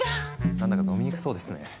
なんだか飲みにくそうですね。